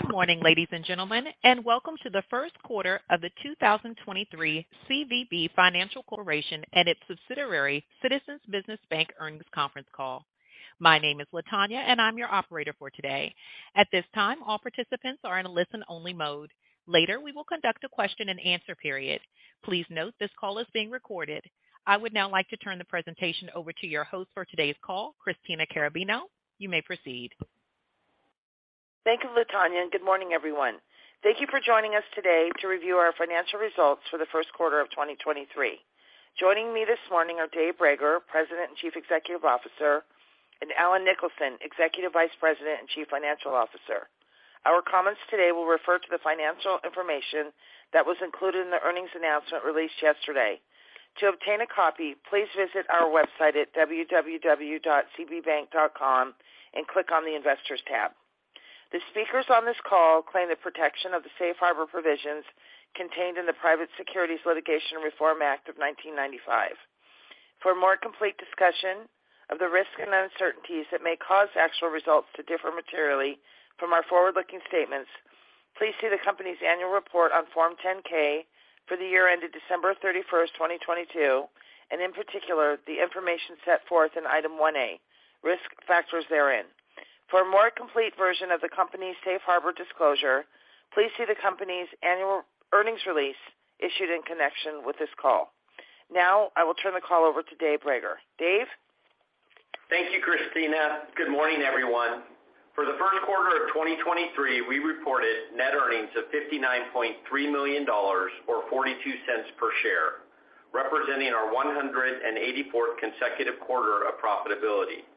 Good morning, ladies and gentlemen, welcome to the 1st quarter of 2023 CVB Financial Corp. and its subsidiary Citizens Business Bank earnings conference call. My name is Latonya and I'm your operator for today. At this time, all participants are in a listen-only mode. Later, we will conduct a question-and-answer period. Please note this call is being recorded. I would now like to turn the presentation over to your host for today's call, Christina Carrabino. You may proceed. Thank you, Latonya. Good morning, everyone. Thank you for joining us today to review our financial results for the first quarter of 2023. Joining me this morning are Dave Brager, President and Chief Executive Officer, and Allen Nicholson, Executive Vice President and Chief Financial Officer. Our comments today will refer to the financial information that was included in the earnings announcement released yesterday. To obtain a copy, please visit our website at www.cbbank.com and click on the Investors tab. The speakers on this call claim the protection of the safe harbor provisions contained in the Private Securities Litigation Reform Act of 1995. For a more complete discussion of the risks and uncertainties that may cause actual results to differ materially from our forward-looking statements, please see the company's annual report on Form 10-K for the year ended December 31st, 2022, and in particular, the information set forth in Item 1A, Risk Factors therein. For a more complete version of the company's safe harbor disclosure, please see the company's annual earnings release issued in connection with this call. I will turn the call over to Dave Brager. Dave? Thank you, Christina. Good morning, everyone. For the first quarter of 2023, we reported net earnings of $59.3 million or $0.42 per share, representing our 184th consecutive quarter of profitability.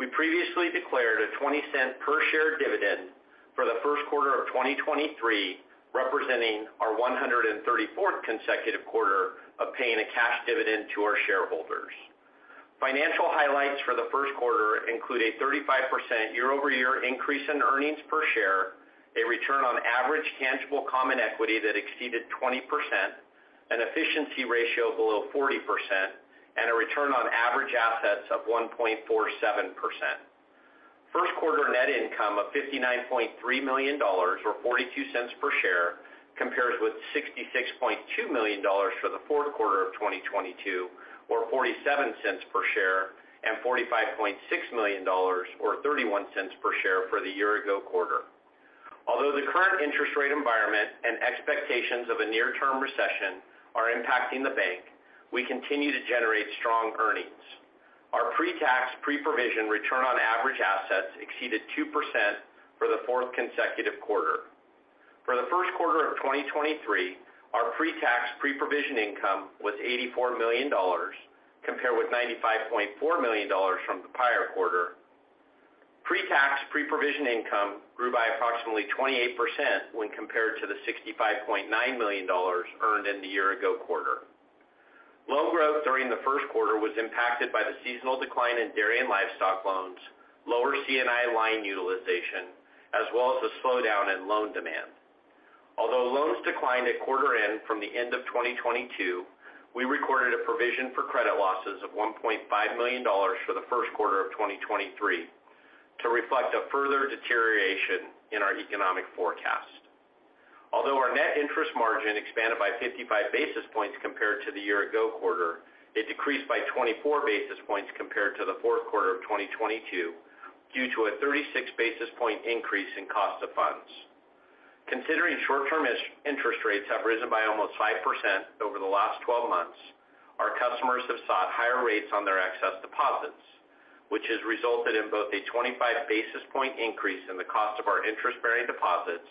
We previously declared a $0.20 per share dividend for the first quarter of 2023, representing our 134th consecutive quarter of paying a cash dividend to our shareholders. Financial highlights for the first quarter include a 35% year-over-year increase in earnings per share, a return on average tangible common equity that exceeded 20%, an efficiency ratio below 40%, and a return on average assets of 1.47%. First quarter net income of $59.3 million or $0.42 per share compares with $66.2 million for the fourth quarter of 2022 or $0.47 per share and $45.6 million or $0.31 per share for the year ago quarter. Although the current interest rate environment and expectations of a near-term recession are impacting the bank, we continue to generate strong earnings. Our pre-tax, pre-provision return on average assets exceeded 2% for the fourth consecutive quarter. For the first quarter of 2023, our pre-tax, pre-provision income was $84 million, compared with $95.4 million from the prior quarter. Pre-tax, pre-provision income grew by approximately 28% when compared to the $65.9 million earned in the year ago quarter. Loan growth during the first quarter was impacted by the seasonal decline in dairy and livestock loans, lower C&I line utilization, as well as a slowdown in loan demand. Loans declined at quarter end from the end of 2022, we recorded a provision for credit losses of $1.5 million for the first quarter of 2023 to reflect a further deterioration in our economic forecast. Our net interest margin expanded by 55 basis points compared to the year ago quarter, it decreased by 24 basis points compared to the fourth quarter of 2022 due to a 36 basis point increase in cost of funds. Considering short-term interest rates have risen by almost 5% over the last 12 months, our customers have sought higher rates on their excess deposits, which has resulted in both a 25 basis point increase in the cost of our interest-bearing deposits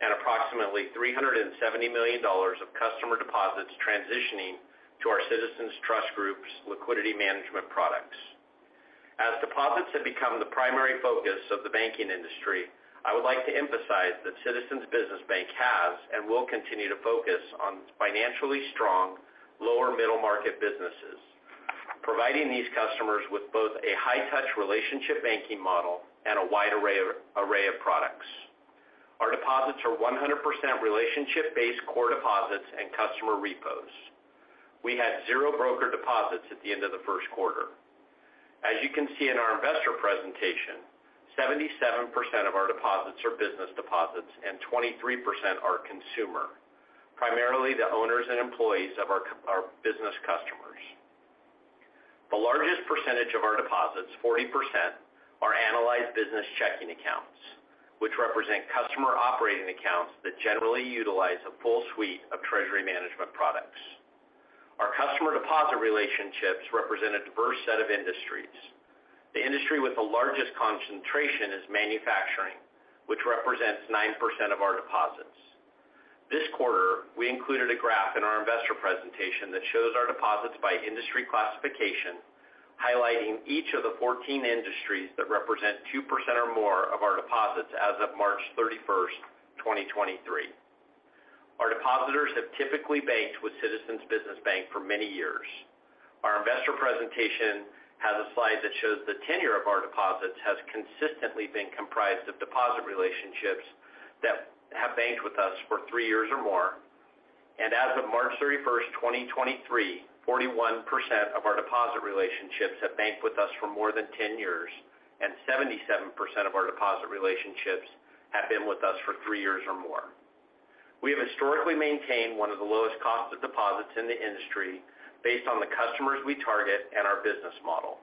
and approximately $370 million of customer deposits transitioning to our CitizensTrust group's liquidity management products. As deposits have become the primary focus of the banking industry, I would like to emphasize that Citizens Business Bank has and will continue to focus on financially strong, lower middle-market businesses, providing these customers with both a high-touch relationship banking model and a wide array of products. Our deposits are 100% relationship-based core deposits and customer repos. We had 0 broker deposits at the end of the first quarter. As you can see in our investor presentation, 77% of our deposits are business deposits and 23% are consumer, primarily the owners and employees of our business customers. The largest percentage of our deposits, 40%, are analyzed business checking accounts, which represent customer operating accounts that generally utilize a full suite of treasury management products. Our customer deposit relationships represent a diverse set of industries. The industry with the largest concentration is manufacturing, which represents 9% of our deposits. This quarter, we included a graph in our investor presentation that shows our deposits by industry classification, highlighting each of the 14 industries that represent 2% or more of our deposits as of March 31st, 2023. Our depositors have typically banked with Citizens Business Bank for many years. Our investor presentation has a slide that shows the tenure of our deposits has consistently been comprised of deposit relationships that have banked with us for three years or more. As of March 31st, 2023, 41% of our deposit relationships have banked with us for more than 10 years, and 77% of our deposit relationships have been with us for three years or more. We have historically maintained one of the lowest cost of deposits in the industry based on the customers we target and our business model.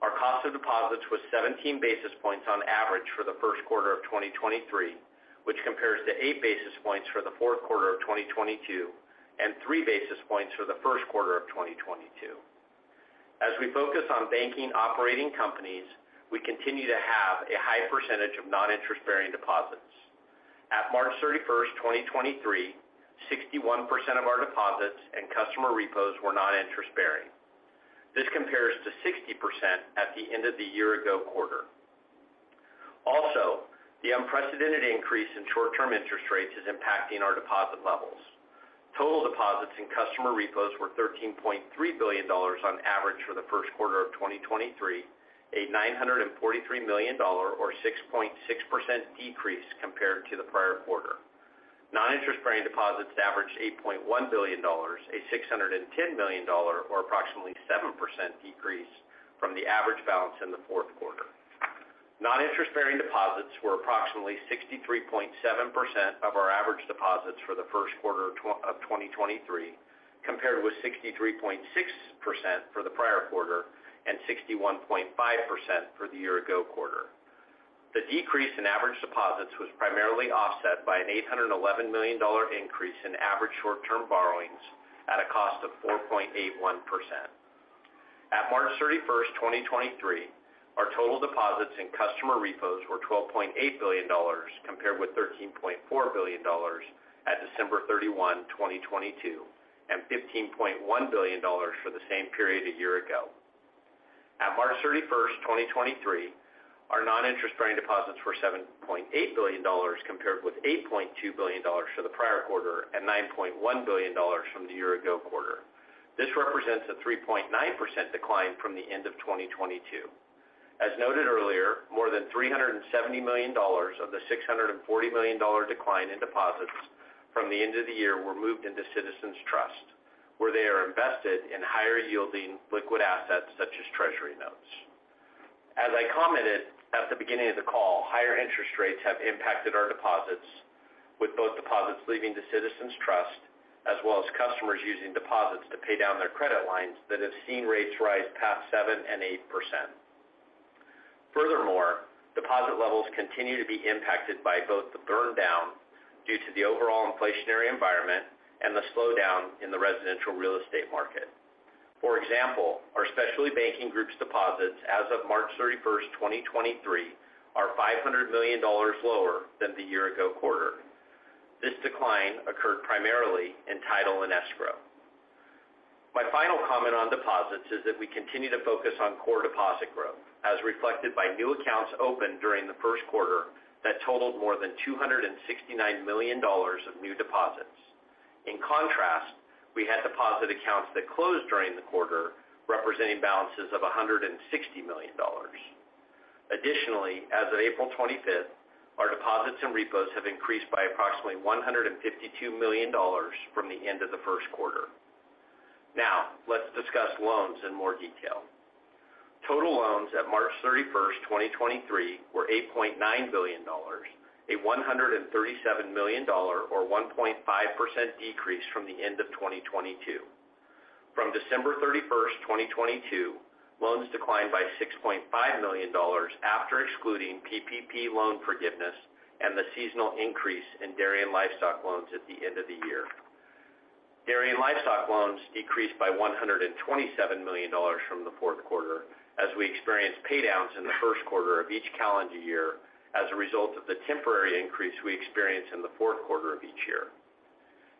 Our cost of deposits was 17 basis points on average for the first quarter of 2023, which compares to 8 basis points for the fourth quarter of 2022 and 3 basis points for the first quarter of 2022. As we focus on banking operating companies, we continue to have a high percentage of non-interest-bearing deposits. At March 31st, 2023, 61% of our deposits and customer repos were non-interest-bearing. This compares to 60% at the end of the year ago quarter. The unprecedented increase in short-term interest rates is impacting our deposit levels. Total deposits and customer repos were $13.3 billion on average for the first quarter of 2023, a $943 million or 6.6% decrease compared to the prior quarter. Non-interest-bearing deposits averaged $8.1 billion, a $610 million or approximately 7% decrease from the average balance in the fourth quarter. Non-interest-bearing deposits were approximately 63.7% of our average deposits for the first quarter of 2023, compared with 63.6% for the prior quarter and 61.5% for the year ago quarter. The decrease in average deposits was primarily offset by an $811 million increase in average short-term borrowings at a cost of 4.81%. At March 31, 2023, our total deposits in customer repos were $12.8 billion compared with $13.4 billion at December 31, 2022 and $15.1 billion for the same period a year ago. At March 31, 2023, our non-interest-bearing deposits were $7.8 billion compared with $8.2 billion for the prior quarter and $9.1 billion from the year ago quarter. This represents a 3.9% decline from the end of 2022. As noted earlier, more than $370 million of the $640 million decline in deposits from the end of the year were moved into CitizensTrust, where they are invested in higher-yielding liquid assets such as treasury notes. As I commented at the beginning of the call, higher interest rates have impacted our deposits, with both deposits leaving to CitizensTrust as well as customers using deposits to pay down their credit lines that have seen rates rise past 7% and 8%. Furthermore, deposit levels continue to be impacted by both the burn down due to the overall inflationary environment and the slowdown in the residential real estate market. For example, our specialty banking group's deposits as of March 31, 2023 are $500 million lower than the year ago quarter. This decline occurred primarily in title and escrow. My final comment on deposits is that we continue to focus on core deposit growth, as reflected by new accounts opened during the first quarter that totaled more than $269 million of new deposits. In contrast, we had deposit accounts that closed during the quarter, representing balances of $160 million. Additionally, as of April 25th, our deposits and repos have increased by approximately $152 million from the end of the first quarter. Let's discuss loans in more detail. Total loans at March 31st, 2023 were $8.9 billion, a $137 million or 1.5% decrease from the end of 2022. From December 31, 2022, loans declined by $6.5 million after excluding PPP loan forgiveness and the seasonal increase in dairy and livestock loans at the end of the year. Dairy and livestock loans decreased by $127 million from the fourth quarter as we experienced paydowns in the first quarter of each calendar year as a result of the temporary increase we experienced in the fourth quarter of each year.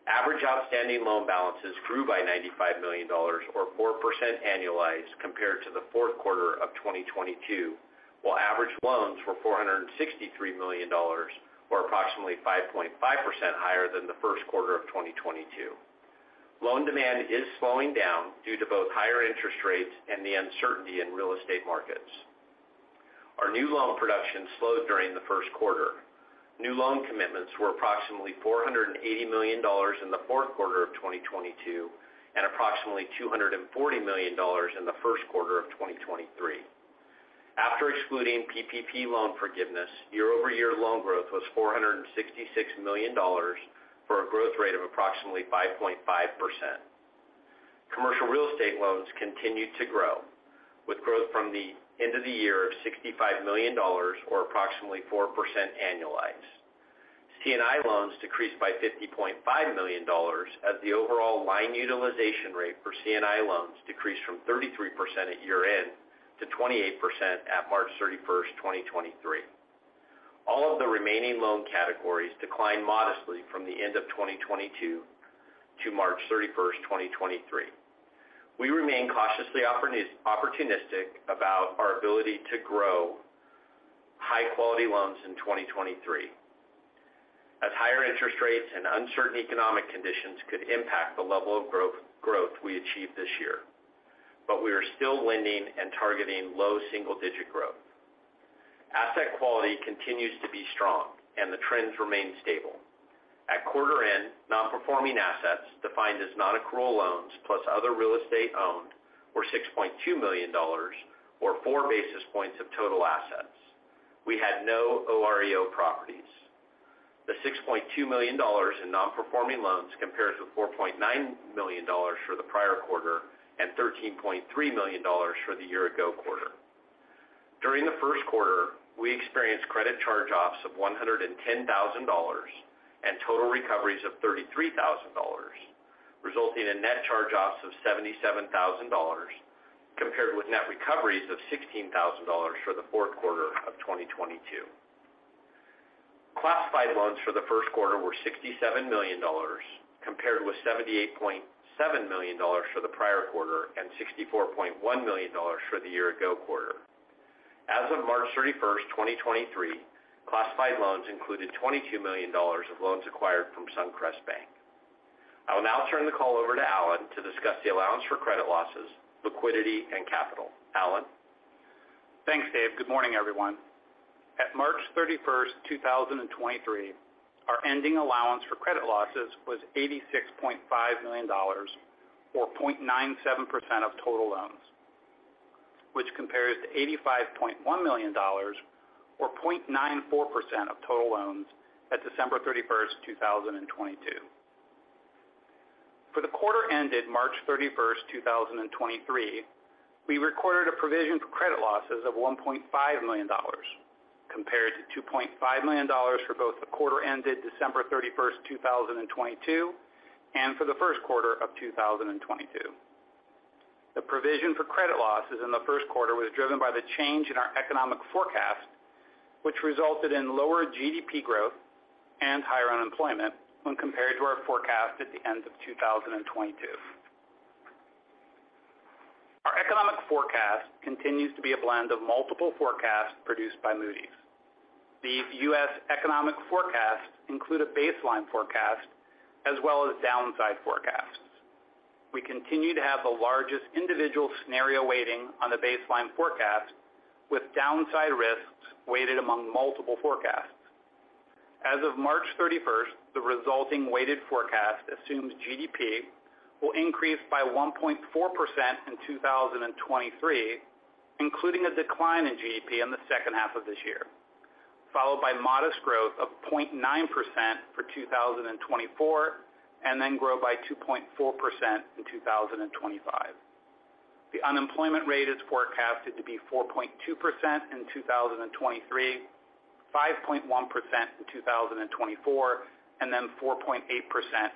Average outstanding loan balances grew by $95 million or 4% annualized compared to the fourth quarter of 2022, while average loans were $463 million or approximately 5.5% higher than the first quarter of 2022. Loan demand is slowing down due to both higher interest rates and the uncertainty in real estate markets. Our new loan production slowed during the first quarter. New loan commitments were approximately $480 million in the fourth quarter of 2022 and approximately $240 million in the first quarter of 2023. After excluding PPP loan forgiveness, year-over-year loan growth was $466 million for a growth rate of approximately 5.5%. Commercial real estate loans continued to grow, with growth from the end of the year of $65 million or approximately 4% annualized. C&I loans decreased by $50.5 million as the overall line utilization rate for C&I loans decreased from 33% at year-end to 28% at March thirty-first, 2023. All of the remaining loan categories declined modestly from the end of 2022 to March thirty-first, 2023. We remain cautiously opportunistic about our ability to grow high-quality loans in 2023, as higher interest rates and uncertain economic conditions could impact the level of growth we achieve this year. We are still lending and targeting low single-digit growth. Asset quality continues to be strong and the trends remain stable. At quarter end, non-performing assets defined as non-accrual loans plus other real estate owned were $6.2 million or 4 basis points of total assets. We had no OREO properties. The $6.2 million in non-performing loans compares with $4.9 million for the prior quarter and $13.3 million for the year ago quarter. During the first quarter, we experienced credit charge-offs of $110,000 and total recoveries of $33,000, resulting in net charge-offs of $77,000 compared with net recoveries of $16,000 for the fourth quarter of 2022. Classified loans for the first quarter were $67 million compared with $78.7 million for the prior quarter and $64.1 million for the year ago quarter. As of March 31st, 2023, classified loans included $22 million of loans acquired from Suncrest Bank. I will now turn the call over to Allen to discuss the allowance for credit losses, liquidity, and capital. Allen? Thanks, Dave. Good morning, everyone. At March 31, 2023, our ending allowance for credit losses was $86.5 million or 0.97% of total loans, which compares to $85.1 million or 0.94% of total loans at December 31, 2022. For the quarter ended March 31, 2023, we recorded a provision for credit losses of $1.5 million compared to $2.5 million for both the quarter ended December 31, 2022, and for the first quarter of 2022. The provision for credit losses in the first quarter was driven by the change in our economic forecast, which resulted in lower GDP growth and higher unemployment when compared to our forecast at the end of 2022. Our economic forecast continues to be a blend of multiple forecasts produced by Moody's. The U.S. economic forecasts include a baseline forecast as well as downside forecasts. We continue to have the largest individual scenario weighting on the baseline forecast with downside risks weighted among multiple forecasts. As of March 31st, the resulting weighted forecast assumes GDP will increase by 1.4% in 2023, including a decline in GDP in the second half of this year, followed by modest growth of 0.9% for 2024 and then grow by 2.4% in 2025. The unemployment rate is forecasted to be 4.2% in 2023, 5.1% in 2024, and then 4.8%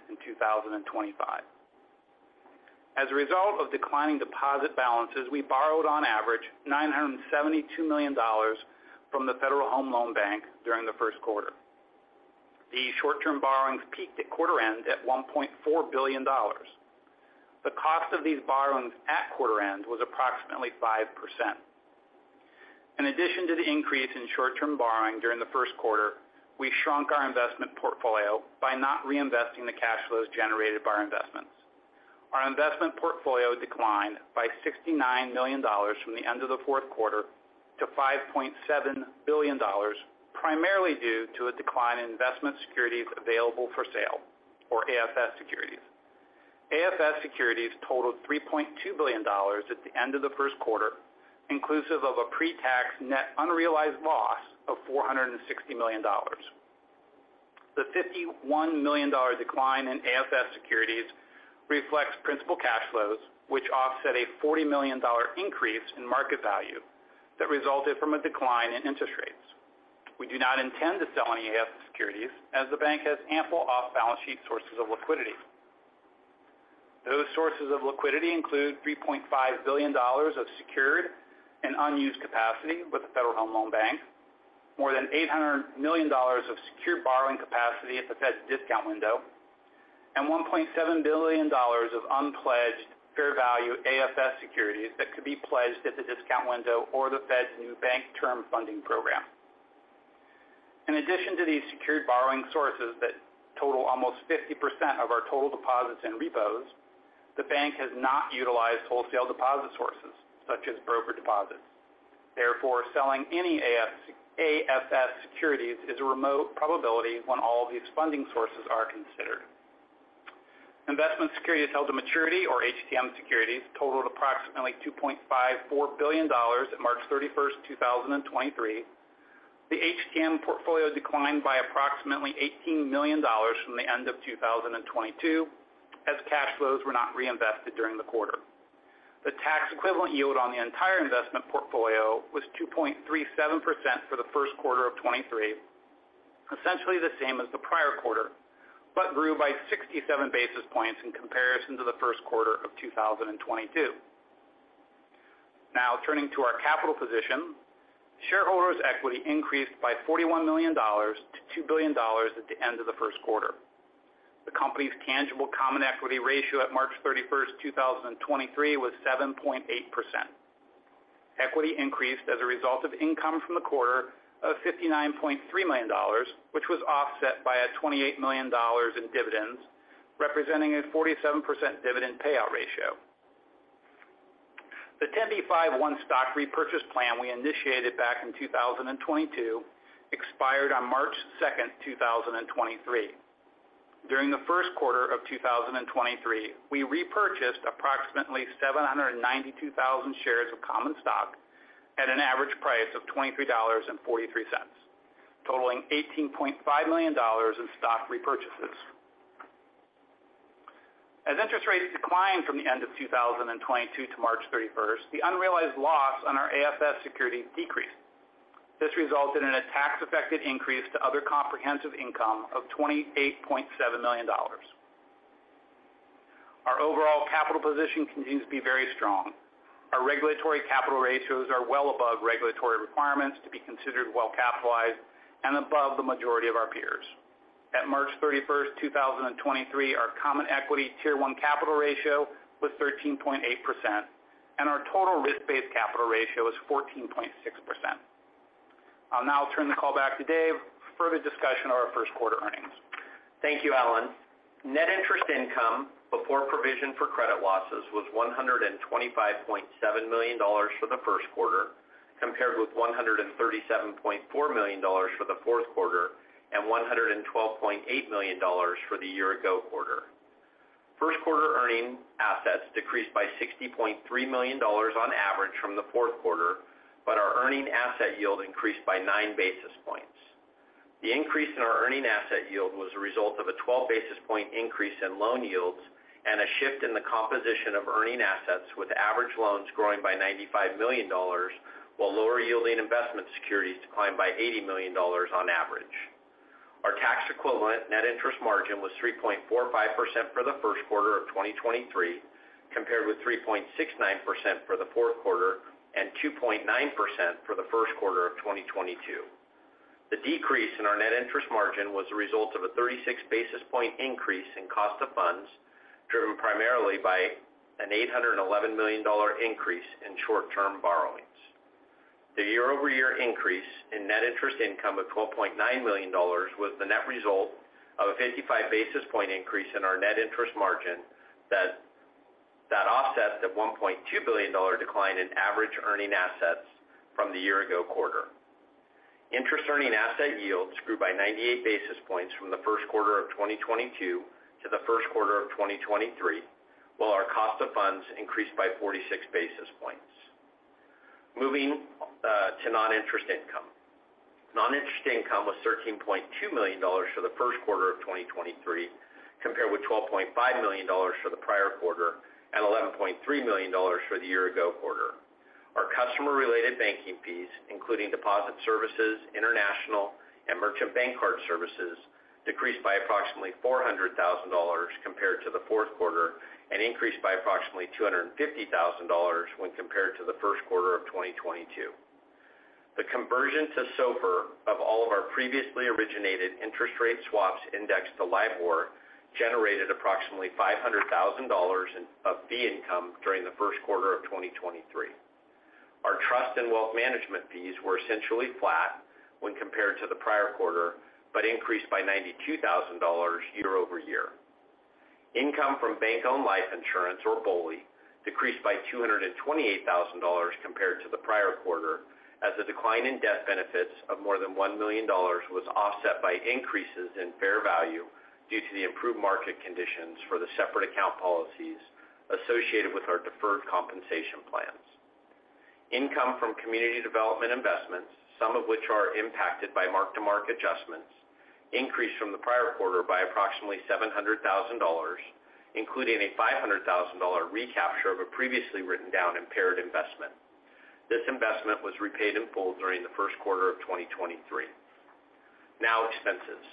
in 2025. As a result of declining deposit balances, we borrowed on average $972 million from the Federal Home Loan Bank during the first quarter. The short-term borrowings peaked at quarter end at $1.4 billion. The cost of these borrowings at quarter end was approximately 5%. In addition to the increase in short-term borrowing during the first quarter, we shrunk our investment portfolio by not reinvesting the cash flows generated by our investments. Our investment portfolio declined by $69 million from the end of the fourth quarter to $5.7 billion, primarily due to a decline in investment securities available for sale or AFS securities. AFS securities totaled $3.2 billion at the end of the first quarter, inclusive of a pre-tax net unrealized loss of $460 million. The $51 million decline in AFS securities reflects principal cash flows, which offset a $40 million increase in market value that resulted from a decline in interest rates. We do not intend to sell any AFS securities as the bank has ample off-balance sheet sources of liquidity. Those sources of liquidity include $3.5 billion of secured and unused capacity with the Federal Home Loan Bank, more than $800 million of secured borrowing capacity at the Fed's discount window, and $1.7 billion of unpledged fair value AFS securities that could be pledged at the discount window or the Fed's new Bank Term Funding Program. In addition to these secured borrowing sources that total almost 50% of our total deposits in repos, the bank has not utilized wholesale deposit sources such as broker deposits. Selling any AFS securities is a remote probability when all of these funding sources are considered. Investment securities held to maturity or HTM securities totaled approximately $2.54 billion at March thirty-first, 2023. The HTM portfolio declined by approximately $18 million from the end of 2022 as cash flows were not reinvested during the quarter. The tax equivalent yield on the entire investment portfolio was 2.37% for the first quarter of 2023, essentially the same as the prior quarter, grew by 67 basis points in comparison to the first quarter of 2022. Turning to our capital position. Shareholders' equity increased by $41 million-$2 billion at the end of the first quarter. The company's tangible common equity ratio at March 31st, 2023 was 7.8%. Equity increased as a result of income from the quarter of $59.3 million, which was offset by $28 million in dividends, representing a 47% dividend payout ratio. The 10b5-1 stock repurchase plan we initiated back in 2022, expired on March 2nd, 2023. During the first quarter of 2023, we repurchased approximately 792,000 shares of common stock at an average price of $23.43, totaling $18.5 million in stock repurchases. As interest rates declined from the end of 2022 to March 31st, the unrealized loss on our AFS securities decreased. This resulted in a tax-affected increase to other comprehensive income of $28.7 million. Our overall capital position continues to be very strong. Our regulatory capital ratios are well above regulatory requirements to be considered well capitalized and above the majority of our peers. At March 31, 2023, our Common Equity Tier 1 capital ratio was 13.8%, and our total risk-based capital ratio is 14.6%. I'll now turn the call back to Dave for further discussion of our first quarter earnings. Thank you, Allen. Net interest income before provision for credit losses was $125.7 million for the first quarter, compared with $137.4 million for the fourth quarter and $112.8 million for the year ago quarter. First quarter earning assets decreased by $60.3 million on average from the fourth quarter. Our earning asset yield increased by 9 basis points. The increase in our earning asset yield was a result of a 12 basis point increase in loan yields and a shift in the composition of earning assets, with average loans growing by $95 million, while lower yielding investment securities declined by $80 million on average. Our tax equivalent net interest margin was 3.45% for the first quarter of 2023, compared with 3.69% for the fourth quarter and 2.9% for the first quarter of 2022. The decrease in our net interest margin was a result of a 36 basis point increase in cost of funds, driven primarily by an $811 million increase in short-term borrowings. The year-over-year increase in net interest income of $12.9 million was the net result of a 55 basis point increase in our net interest margin that offset the $1.2 billion decline in average earning assets from the year ago quarter. Interest earning asset yields grew by 98 basis points from the first quarter of 2022 to the first quarter of 2023, while our cost of funds increased by 46 basis points. Moving to non-interest income. Non-interest income was $13.2 million for the first quarter of 2023, compared with $12.5 million for the prior quarter and $11.3 million for the year ago quarter. Our customer-related banking fees, including deposit services, international and merchant bank card services, decreased by approximately $400,000 compared to the fourth quarter and increased by approximately $250,000 when compared to the first quarter of 2022. The conversion to SOFR of all of our previously originated interest rate swaps indexed to LIBOR generated approximately $500 thousand of fee income during the first quarter of 2023. Our trust and wealth management fees were essentially flat when compared to the prior quarter, increased by $92 thousand year-over-year. Income from bank-owned life insurance, or BOLI, decreased by $228 thousand compared to the prior quarter as the decline in death benefits of more than $1 million was offset by increases in fair value due to the improved market conditions for the separate account policies associated with our deferred compensation plans. Income from community development investments, some of which are impacted by mark-to-market adjustments, increased from the prior quarter by approximately $700,000, including a $500,000 recapture of a previously written down impaired investment. This investment was repaid in full during the first quarter of 2023. Expenses.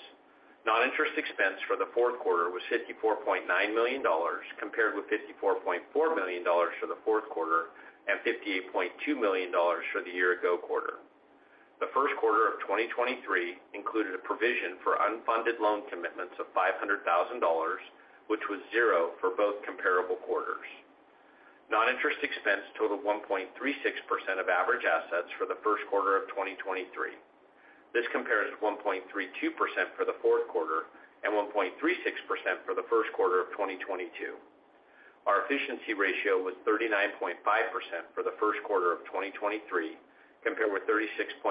Non-interest expense for the fourth quarter was $54.9 million, compared with $54.4 million for the fourth quarter and $58.2 million for the year-ago quarter. The first quarter of 2023 included a provision for unfunded loan commitments of $500,000, which was 0 for both comparable quarters. Non-interest expense totaled 1.36% of average assets for the first quarter of 2023. This compares 1.32% for the fourth quarter and 1.36% for the first quarter of 2022. Our efficiency ratio was 39.5% for the first quarter of 2023, compared with 36.31%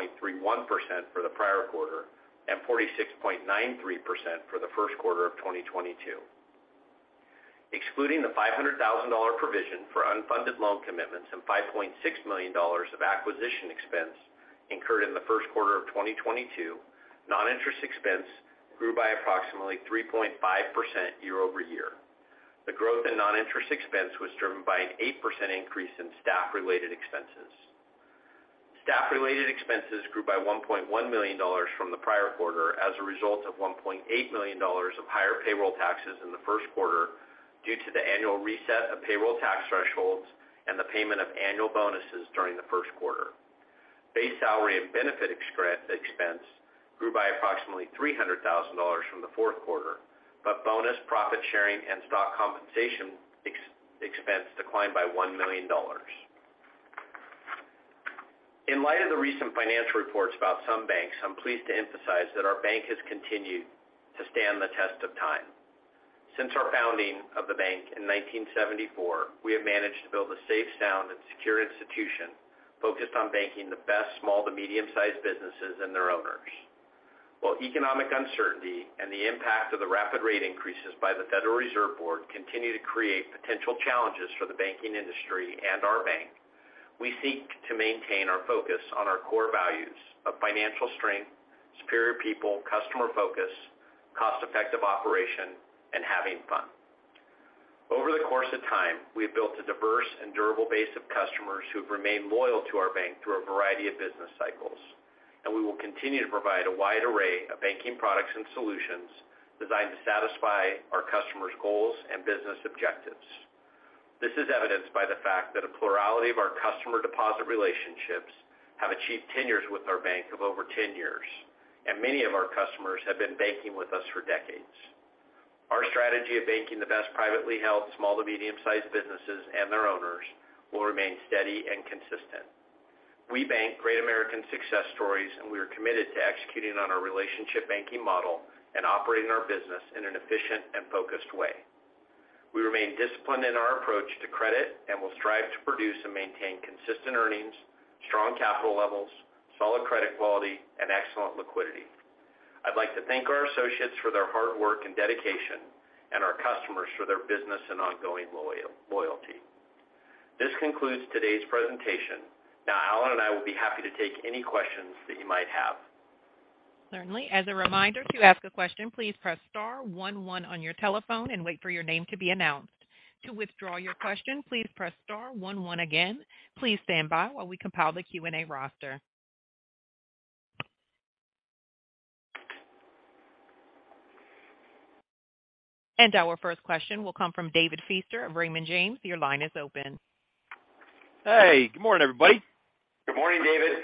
for the prior quarter and 46.93% for the first quarter of 2022. Excluding the $500,000 provision for unfunded loan commitments and $5.6 million of acquisition expense incurred in the first quarter of 2022, non-interest expense grew by approximately 3.5% year-over-year. The growth in non-interest expense was driven by an 8% increase in staff-related expenses. Staff-related expenses grew by $1.1 million from the prior quarter as a result of $1.8 million of higher payroll taxes in the first quarter due to the annual reset of payroll tax thresholds and the payment of annual bonuses during the first quarter. Base salary and benefit expense grew by approximately $300,000 from the fourth quarter. Bonus profit sharing and stock compensation expense declined by $1 million. In light of the recent financial reports about some banks, I'm pleased to emphasize that our bank has continued to stand the test of time. Since our founding of the bank in 1974, we have managed to build a safe, sound and secure institution focused on banking the best small to medium-sized businesses and their owners. While economic uncertainty and the impact of the rapid rate increases by the Federal Reserve Board continue to create potential challenges for the banking industry and our bank, we seek to maintain our focus on our core values of financial strength, superior people, customer focus, cost-effective operation, and having fun. Over the course of time, we have built a diverse and durable base of customers who have remained loyal to our bank through a variety of business cycles, and we will continue to provide a wide array of banking products and solutions designed to satisfy our customers' goals and business objectives. This is evidenced by the fact that a plurality of our customer deposit relationships have achieved tenures with our bank of over 10 years, and many of our customers have been banking with us for decades. Our strategy of banking the best privately held small to medium-sized businesses and their owners will remain steady and consistent. We bank great American success stories, and we are committed to executing on our relationship banking model and operating our business in an efficient and focused way. We remain disciplined in our approach to credit and will strive to produce and maintain consistent earnings, strong capital levels, solid credit quality, and excellent liquidity. I'd like to thank our associates for their hard work and dedication and our customers for their business and ongoing loyalty. This concludes today's presentation. Allen and I will be happy to take any questions that you might have. Certainly. As a reminder, to ask a question, please press star 11 on your telephone and wait for your name to be announced. To withdraw your question, please press star 11 again. Please stand by while we compile the Q&A roster. Our first question will come from David Feaster of Raymond James. Your line is open. Hey, good morning, everybody. Good morning, David.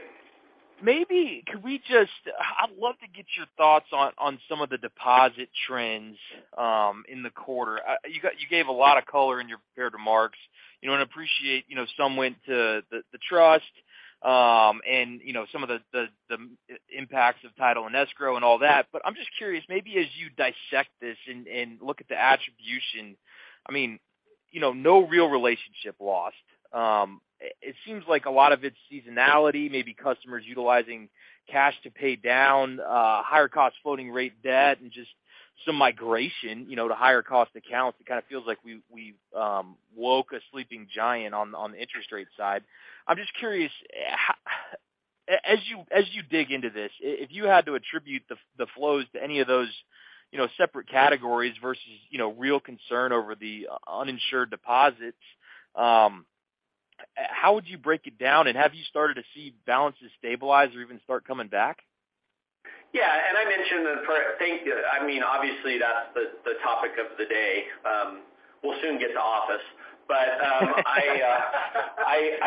Maybe could we just I'd love to get your thoughts on some of the deposit trends in the quarter. You gave a lot of color in your prepared remarks. You know, I appreciate, you know, some went to the CitizensTrust, and, you know, some of the impacts of title and escrow and all that. I'm just curious, maybe as you dissect this and look at the attribution, I mean, you know, no real relationship lost. It seems like a lot of it's seasonality, maybe customers utilizing cash to pay down higher cost floating rate debt and just some migration, you know, to higher cost accounts. It kind of feels like we've woke a sleeping giant on the interest rate side. I'm just curious, as you dig into this, if you had to attribute the flows to any of those, you know, separate categories versus, you know, real concern over the uninsured deposits, how would you break it down? Have you started to see balances stabilize or even start coming back? Yeah. I mentioned I mean, obviously that's the topic of the day. We'll soon get to office. I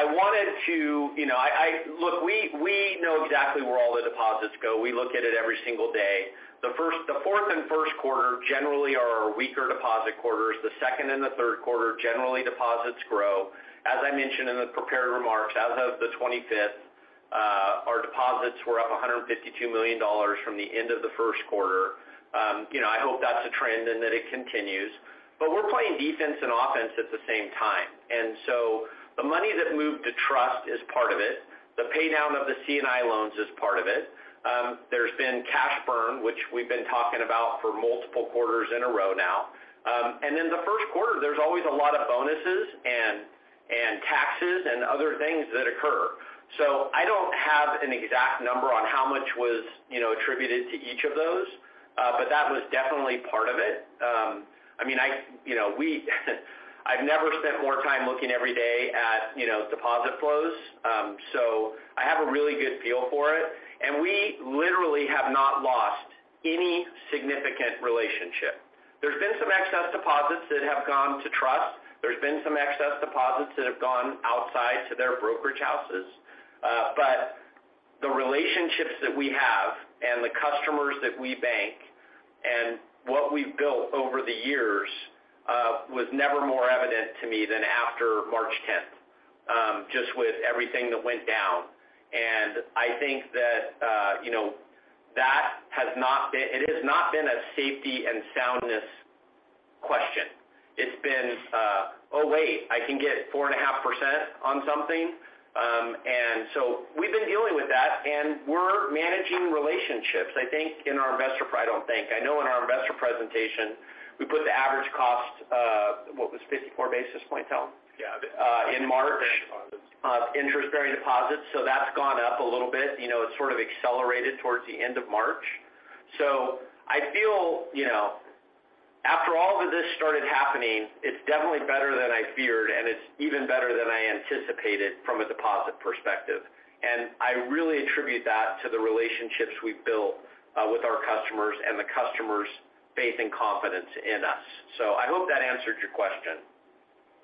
wanted to, you know, Look, we know exactly where all the deposits go. We look at it every single day. The fourth and first quarter generally are our weaker deposit quarters. The second and the third quarter, generally deposits grow. As I mentioned in the prepared remarks, as of the 25th, our deposits were up $152 million from the end of the first quarter. You know, I hope that's a trend and that it continues. We're playing defense and offense at the same time. The money that moved to CitizensTrust is part of it. The pay down of the C&I loans is part of it. There's been cash burn, which we've been talking about for multiple quarters in a row now. The first quarter, there's always a lot of bonuses and taxes and other things that occur. I don't have an exact number on how much was, you know, attributed to each of those, but that was definitely part of it. I mean, I, you know, we I've never spent more time looking every day at, you know, deposit flows, so I have a really good feel for it. We literally have not lost any significant relationship. There's been some excess deposits that have gone to Trust. There's been some excess deposits that have gone outside to their brokerage houses. The relationships that we have and the customers that we bank and what we've built over the years, was never more evident to me than after March 10th, just with everything that went down. I think that, you know, It has not been a safety and soundness question. It's been, oh, wait, I can get 4.5% on something. We've been dealing with that, and we're managing relationships. I know in our investor presentation, we put the average cost, what was 54 basis points, Allen Nicholson? Yeah. In March. Interest-bearing deposits. Interest-bearing deposits. That's gone up a little bit. You know, it sort of accelerated towards the end of March. I feel, you know, after all of this started happening, it's definitely better than I feared, and it's even better than I anticipated from a deposit perspective. I really attribute that to the relationships we've built with our customers and the customers' faith and confidence in us. I hope that answered your question.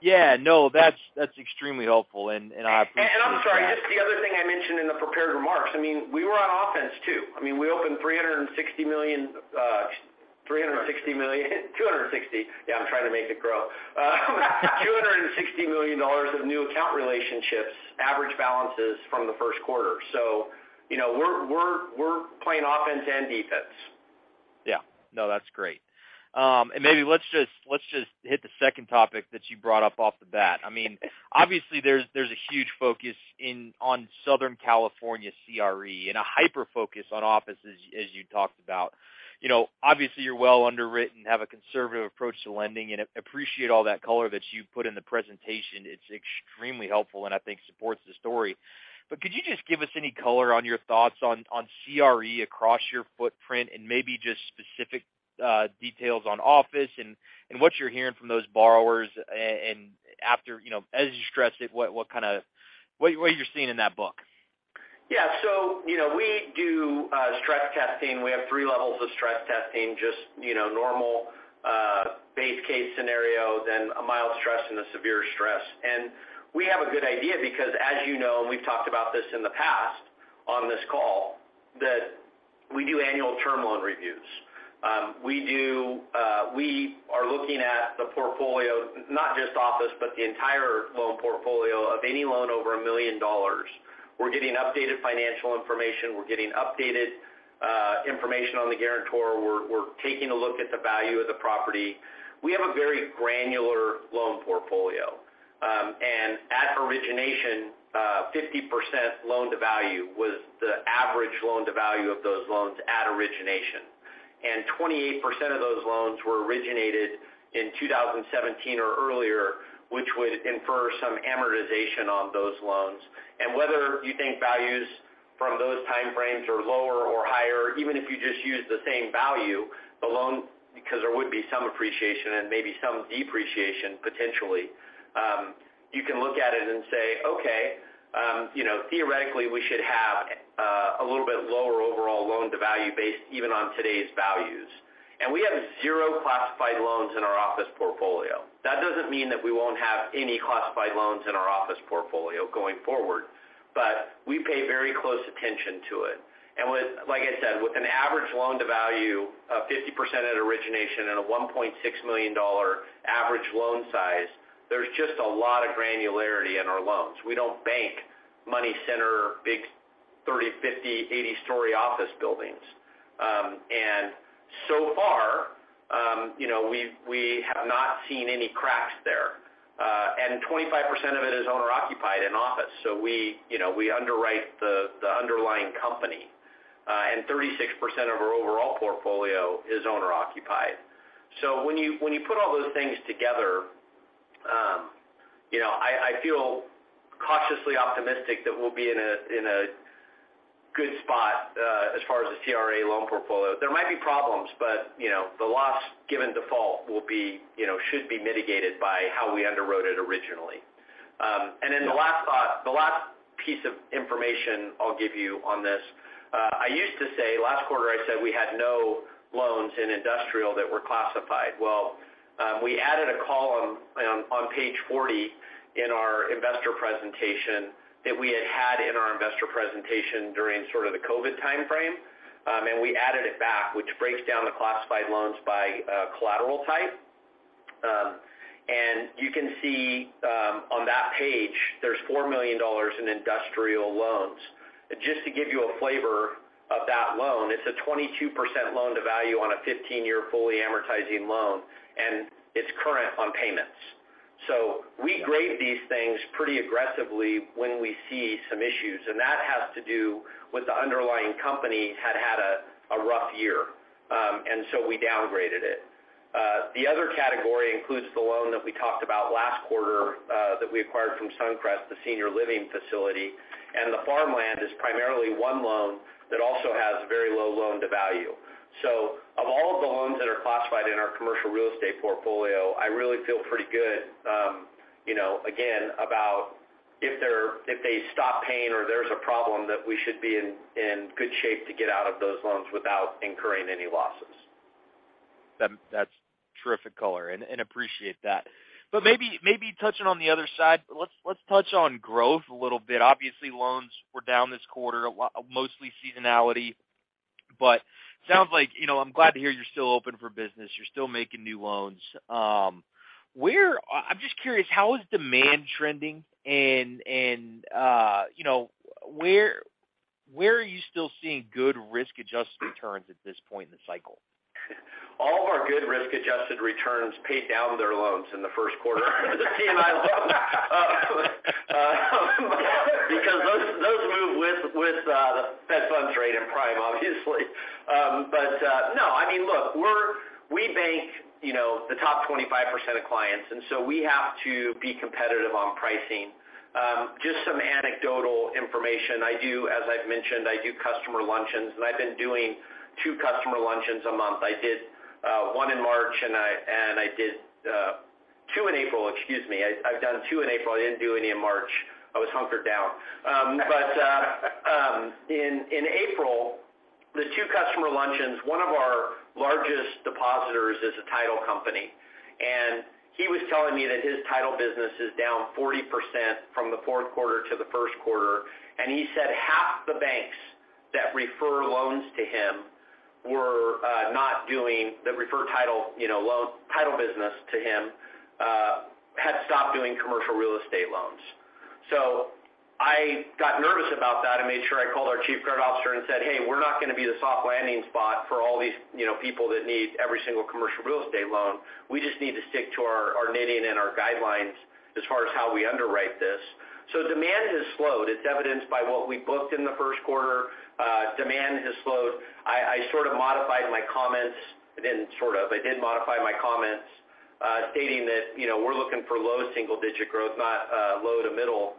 Yeah. No, that's extremely helpful. I appreciate that. I'm sorry, just the other thing I mentioned in the prepared remarks, I mean, we were on offense, too. I mean, we opened $260 million of new account relationships, average balances from the first quarter. Yeah, I'm trying to make it grow. You know, we're, we're playing offense and defense. Yeah. No, that's great. Maybe let's just hit the second topic that you brought up off the bat. I mean, obviously there's a huge focus on Southern California CRE, and a hyper focus on office as you talked about. You know, obviously, you're well underwritten, have a conservative approach to lending, and I appreciate all that color that you put in the presentation. It's extremely helpful, and I think supports the story. Could you just give us any color on your thoughts on CRE across your footprint and maybe just specific details on office and what you're hearing from those borrowers and after, you know, as you stressed it, what are you seeing in that book? Yeah. You know, we do stress testing. We have three levels of stress testing, just, you know, normal base case scenario, then a mild stress and a severe stress. We have a good idea because as you know, and we've talked about this in the past on this call, that we do annual term loan reviews. We do, we are looking at the portfolio, not just office, but the entire loan portfolio of any loan over $1 million. We're getting updated financial information. We're getting updated information on the guarantor. We're taking a look at the value of the property. We have a very granular loan portfolio. At origination, 50% loan-to-value was the average loan-to-value of those loans at origination. 28% of those loans were originated in 2017 or earlier, which would infer some amortization on those loans. Whether you think values from those time frames are lower or higher, even if you just use the same value, because there would be some appreciation and maybe some depreciation, potentially. You can look at it and say, "Okay, you know, theoretically, we should have a little bit lower overall loan-to-value based even on today's values." We have 0 classified loans in our office portfolio. That doesn't mean that we won't have any classified loans in our office portfolio going forward, but we pay very close attention to it. Like I said, with an average loan-to-value of 50% at origination and a $1.6 million average loan size, there's just a lot of granularity in our loans. We don't bank money center, big 30, 50, 80-story office buildings. So far, you know, we have not seen any cracks there. 25% of it is owner-occupied in office. We, you know, we underwrite the underlying company, and 36% of our overall portfolio is owner-occupied. When you put all those things together, you know, I feel cautiously optimistic that we'll be in a good spot as far as the CRA loan portfolio. There might be problems, but, you know, the loss given default will be, you know, should be mitigated by how we underwrote it originally. The last thought, the last piece of information I'll give you on this, I used to say, last quarter I said we had no loans in industrial that were classified. We added a column on page 40 in our Investor Presentation that we had had in our Investor Presentation during sort of the COVID time frame. We added it back, which breaks down the classified loans by collateral type. You can see on that page, there's $4 million in industrial loans. Just to give you a flavor of that loan, it's a 22% loan-to-value on a 15-year fully amortizing loan, and it's current on payments. We grade these things pretty aggressively when we see some issues, and that has to do with the underlying company had had a rough year. We downgraded it. The other category includes the loan that we talked about last quarter, that we acquired from Suncrest, the senior living facility. The farmland is primarily one loan that also has very low loan-to-value. Of all of the loans that are classified in our commercial real estate portfolio, I really feel pretty good, you know, again, about if they stop paying or there's a problem, that we should be in good shape to get out of those loans without incurring any losses. That's terrific color and appreciate that. Maybe, maybe touching on the other side, let's touch on growth a little bit. Obviously, loans were down this quarter, mostly seasonality. Sounds like, you know, I'm glad to hear you're still open for business. You're still making new loans. I'm just curious, how is demand trending? And, you know, where are you still seeing good risk-adjusted returns at this point in the cycle? All of our good risk-adjusted returns paid down their loans in the first quarter. They're C&I loans, because those move with the Fed funds rate and prime, obviously. No, I mean, look, we bank, you know, the top 25% of clients, and so we have to be competitive on pricing. Just some anecdotal information. I do, as I've mentioned, I do customer luncheons, and I've been doing 2 customer luncheons a month. I did 1 in March, and I did 2 in April, excuse me. I've done 2 in April. I didn't do any in March. I was hunkered down. In April, the two customer luncheons, one of our largest depositors is a title company. He was telling me that his title business is down 40% from the fourth quarter to the first quarter. He said half the banks that refer loans to him that refer title, you know, title business to him, had stopped doing Commercial Real Estate loans. I got nervous about that and made sure I called our Chief Credit Officer and said, "Hey, we're not going to be the soft landing spot for all these, you know, people that need every single Commercial Real Estate loan. We just need to stick to our knitting and our guidelines as far as how we underwrite this." Demand has slowed. It's evidenced by what we booked in the first quarter. Demand has slowed. I sort of modified my comments. I did modify my comments, stating that, you know, we're looking for low single-digit growth, not low to middle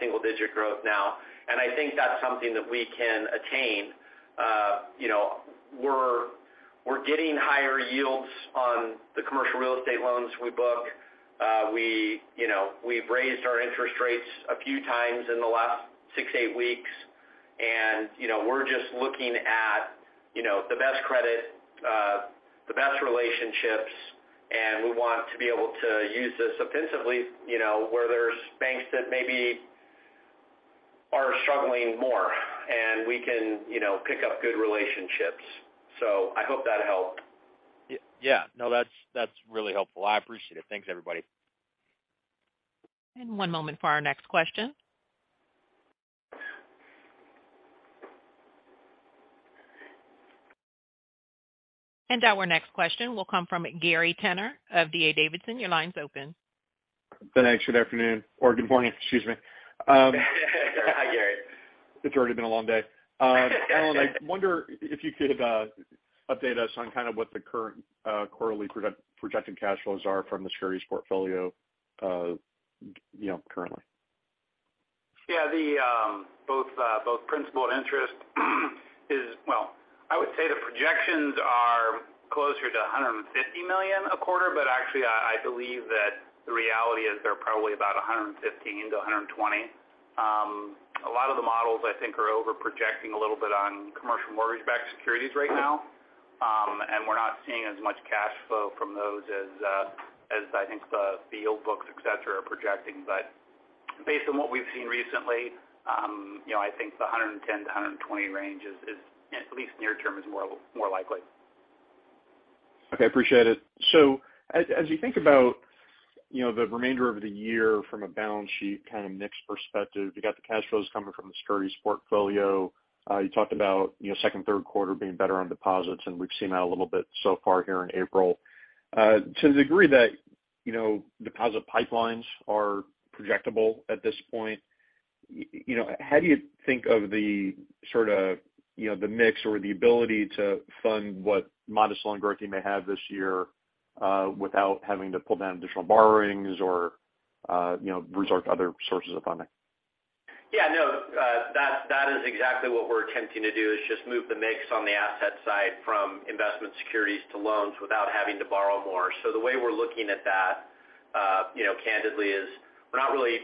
single-digit growth now. I think that's something that we can attain. You know, we're getting higher yields on the commercial real estate loans we book. You know, we've raised our interest rates a few times in the last six, eight weeks. You know, we're just looking at, you know, the best credit, the best relationships, and we want to be able to use this offensively, you know, where there's banks that maybe are struggling more, and we can, you know, pick up good relationships. I hope that helped. Yeah, no, that's really helpful. I appreciate it. Thanks, everybody. One moment for our next question. Our next question will come from Gary Tenner of D.A. Davidson. Your line's open. Thanks. Good afternoon or good morning. Excuse me. Hi, Gary. It's already been a long day. Allen, I wonder if you could update us on kind of what the current quarterly projected cash flows are from the securities portfolio, you know, currently. Both principal and interest. Well, I would say the projections are closer to $150 million a quarter, but actually I believe that the reality is they're probably about $115 million-$120 million. A lot of the models I think are over projecting a little bit on commercial mortgage-backed securities right now. We're not seeing as much cash flow from those as I think the yield books, et cetera, are projecting. Based on what we've seen recently, you know, I think the $110 million-$120 million range is at least near term, is more likely. Okay. Appreciate it. As you think about, you know, the remainder of the year from a balance sheet kind of mix perspective, you got the cash flows coming from the securities portfolio. You talked about, you know, second, third quarter being better on deposits, and we've seen that a little bit so far here in April. To the degree that, you know, deposit pipelines are projectable at this point, you know, how do you think of the sort of, you know, the mix or the ability to fund what modest loan growth you may have this year, without having to pull down additional borrowings or, you know, resort to other sources of funding? Yeah, no, that is exactly what we're attempting to do, is just move the mix on the asset side from investment securities to loans without having to borrow more. The way we're looking at that, you know, candidly is we're not really.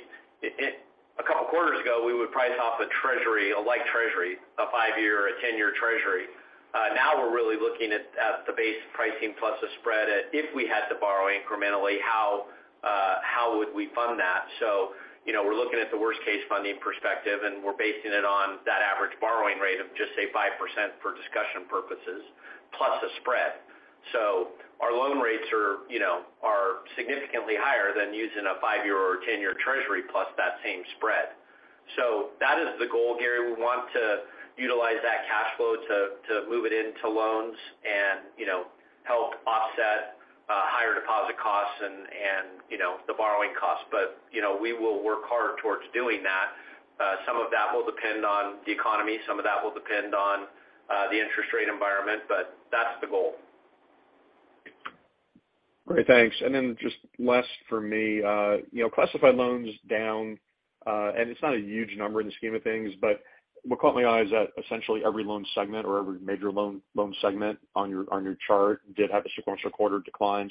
A couple of quarters ago, we would price off a treasury, a light treasury, a 5-year or a 10-year treasury. Now we're really looking at the base pricing plus the spread at if we had to borrow incrementally, how would we fund that? You know, we're looking at the worst case funding perspective, and we're basing it on that average borrowing rate of just, say, 5% for discussion purposes, plus a spread. Our loan rates are, you know, are significantly higher than using a 5-year or 10-year treasury plus that same spread. That is the goal, Gary. We want to utilize that cash flow to move it into loans and, you know, help offset higher deposit costs and, you know, the borrowing costs. You know, we will work hard towards doing that. Some of that will depend on the economy. Some of that will depend on the interest rate environment. That's the goal. Great. Thanks. Just last for me, you know, classified loans down, and it's not a huge number in the scheme of things, but what caught my eye is that essentially every loan segment or every major loan segment on your chart did have a sequential quarter decline.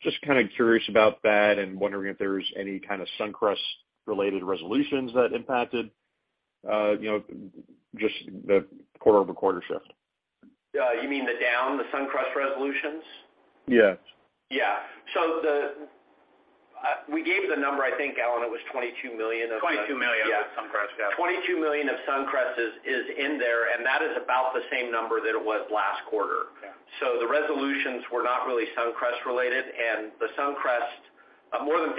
Just kind of curious about that and wondering if there's any kind of Suncrest related resolutions that impacted, you know, just the quarter-over-quarter shift? You mean the Suncrest resolutions? Yes. Yeah. We gave the number, I think, Allen, it was $22 million. $22 million of Suncrest. Yeah. $22 million of Suncrest is in there, and that is about the same number that it was last quarter. Yeah. The resolutions were not really Suncrest related. The Suncrest, more than 50%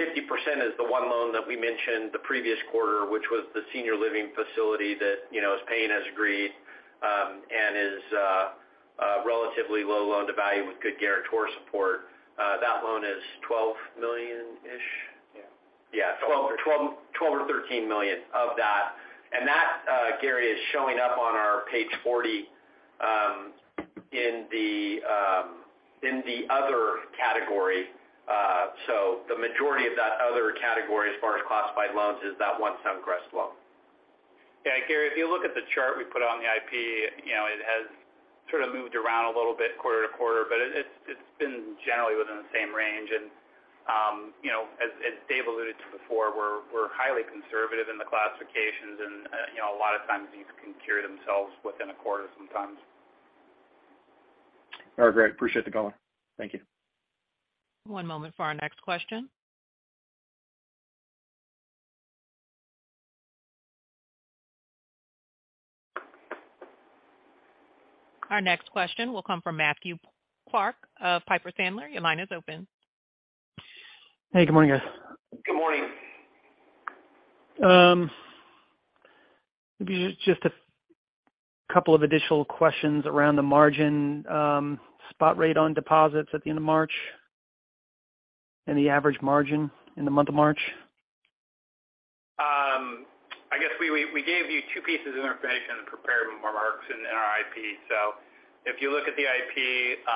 is the one loan that we mentioned the previous quarter, which was the senior living facility that, you know, is paying as agreed, and is relatively low loan-to-value with good guarantor support. That loan is $12 million-ish. Yeah. Yeah. $12 million-$13 million of that. That, Gary, is showing up on our page 40 in the other category. The majority of that other category as far as classified loans is that one Suncrest loan. Yeah. Gary, if you look at the chart we put on the IP, you know, it has sort of moved around a little bit quarter to quarter, but it's been generally within the same range. You know, as Dave alluded to before, we're highly conservative in the classifications and, you know, a lot of times these can cure themselves within a quarter sometimes. All right, great. Appreciate the color. Thank you. One moment for our next question. Our next question will come from Matthew Clark of Piper Sandler. Your line is open. Hey, good morning, guys. Good morning. Maybe just a couple of additional questions around the margin, spot rate on deposits at the end of March, and the average margin in the month of March. I guess we gave you 2 pieces of information in prepared remarks in our IP. If you look at the IP,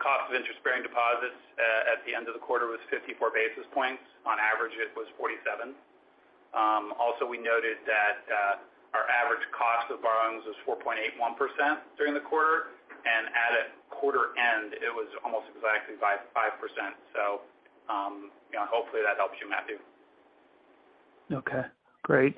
cost of interest-bearing deposits at the end of the quarter was 54 basis points. On average, it was 47. Also we noted that our average cost of borrowings was 4.81% during the quarter, and at a quarter end it was almost exactly by 5%. You know, hopefully that helps you, Matthew. Okay, great.